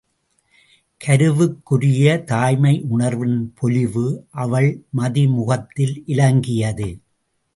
கருவுக்குரிய தாய்மை யுணர்வின் பொலிவு அவள் மதிமுகத்தில் இலங்கியது.